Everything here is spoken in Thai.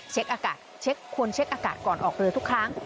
อากาศเช็คควรเช็คอากาศก่อนออกเรือทุกครั้ง